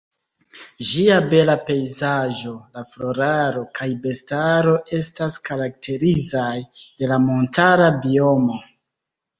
Ĝia bela pejzaĝo, la floraro kaj bestaro estas karakterizaj de la montara biomo.